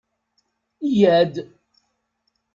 Yya-d!